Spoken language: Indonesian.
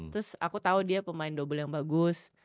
terus aku tau dia pemain dobel yang bagus